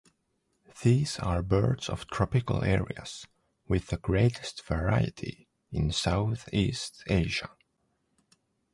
These are birds of tropical areas, with the greatest variety in southeast Asia.